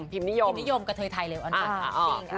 พิมพ์นิยมกระเทยไทยเลยอ่ะนั่นค่ะ